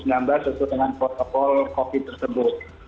sesuai dengan protokol covid sembilan belas tersebut